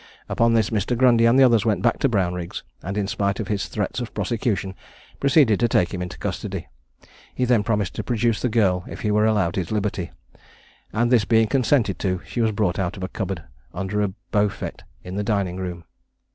Upon this Mr. Grundy and the others went back to Brownrigg's, and in spite of his threats of prosecution, proceeded to take him into custody. He then promised to produce the girl if he were allowed his liberty, and this being consented to, she was brought out of a cupboard, under a beaufet in the dining room.